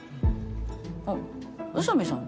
あっ宇佐美さん